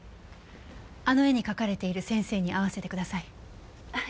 あの絵に描かれている先生に会わせてください。